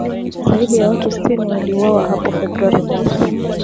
Zaidi ya watu sitini waliuawa hapo Februari mosi